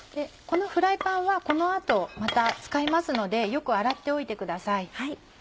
このフライパンはこの後また使いますのでよく洗っておいてください。